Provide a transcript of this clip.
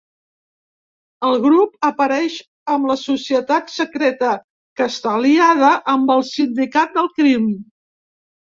El grup apareix amb la Societat Secreta, que està aliada amb el Sindicat del Crim.